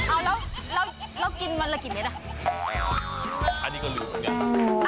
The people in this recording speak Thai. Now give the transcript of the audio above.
อ้ากินมันได้กี่มิตเจอกันนี้ก็เลย